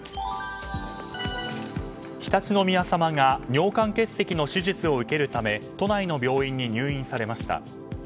常陸宮さまが尿管結石の手術を受けるため都内の病院に入院されました。